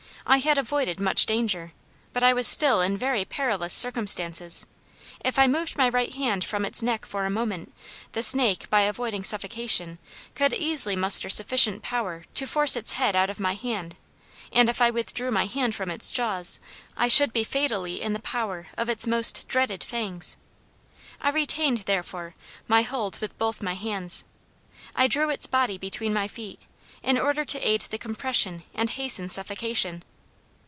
I had avoided much danger, but I was still in very perilous circumstances. If I moved my right hand from its neck for a moment, the snake, by avoiding suffocation, could easily muster sufficient power to force its head out of my hand; and if I withdrew my hand from its jaws, I should be fatally in the power of its most dreaded fangs. I retained, therefore, my hold with both my hands; I drew its body between my feet, in order to aid the compression and hasten suffocation.